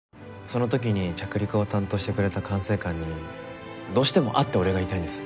その時に着陸を担当してくれた管制官にどうしても会ってお礼が言いたいんです。